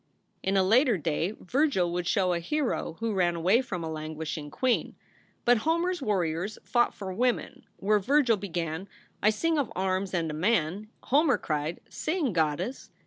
In a later day, Vergil would show a hero who ran away from a languishing queen, but Homer s warriors fought for women. Where Vergil began, "I sing of arms and a man," Homer cried, "Sing, Goddess."